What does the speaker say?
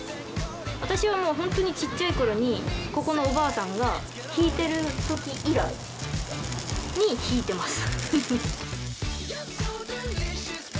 私はもうホントにちっちゃい頃にここのおばあさんがひいてる時以来にひいてます